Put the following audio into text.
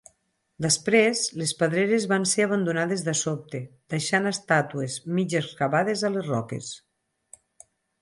Després, les pedreres van ser abandonades de sobte, deixant estàtues mig excavades a les roques.